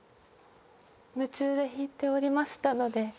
夢中で弾いておりましたので。